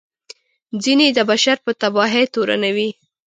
ځینې یې د بشر په تباهي تورنوي.